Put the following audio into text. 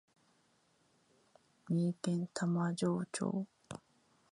三重県玉城町